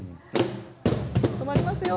止まりますよ。